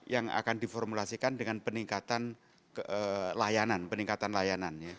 yang akan diformulasikan dengan peningkatan layanan